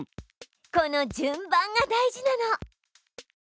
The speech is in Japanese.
この「順番」が大事なの！